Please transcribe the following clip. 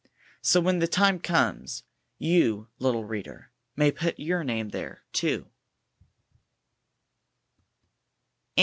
So when the time comes, you, little reader, may put your name there, too.